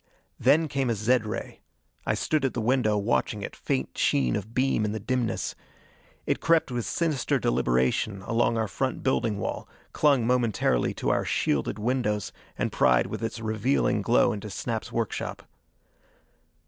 Then came a zed ray. I stood at the window, watching it, faint sheen of beam in the dimness. It crept with sinister deliberation along our front building wall, clung momentarily to our shielded windows and pried with its revealing glow into Snap's workshop.